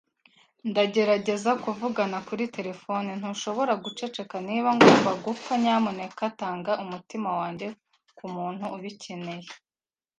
Ndagerageza kuvugana kuri terefone. Ntushobora guceceka? Niba ngomba gupfa, nyamuneka tanga umutima wanjye kumuntu ubikeneye.